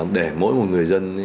để mỗi một người dân